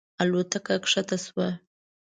الوتکه کښته شوه.